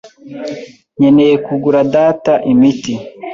Nkeneye kugura data imiti.